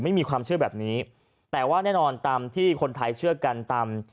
ไม่มีความเชื่อแบบนี้แต่ว่าแน่นอนตามที่คนไทยเชื่อกันตาม